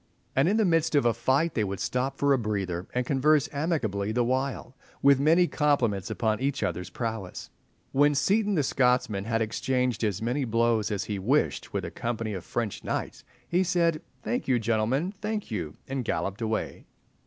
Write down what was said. And in the midst of a fight they would stop for a breather, and converse amicably the while, with many compliments upon each other's prowess. When Seaton the Scotsman had exchanged as many blows as he wished with a company of French knights, he said, "Thank you, gentlemen, thank you!" and galloped away.